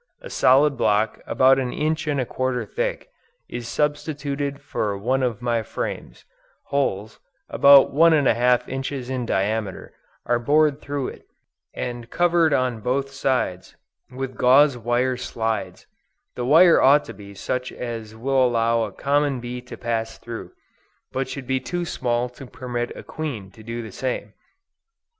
A solid block about an inch and a quarter thick, is substituted for one of my frames; holes, about one and a half inches in diameter, are bored through it, and covered on both sides, with gauze wire slides; the wire ought to be such as will allow a common bee to pass through, but should be too small to permit a queen to do the same.